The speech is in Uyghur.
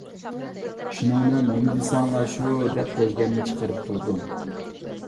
شۇنىڭ بىلەن نېمە دېسەڭلار شۇ دەپ، گەجگەمنى چىقىرىپ تۇردۇم.